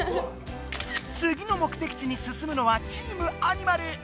次の目的地に進むのはチームアニマル！